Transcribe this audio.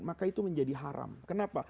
maka itu menjadi haram kenapa